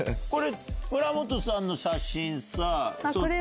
村元さんの写真さ。